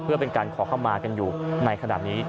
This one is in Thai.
เพื่อเป็นการขอเข้ามากันอยู่ในขณะนี้